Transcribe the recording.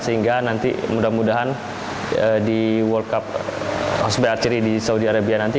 sehingga nanti mudah mudahan di world cup hospiraturi di saudi arabia nanti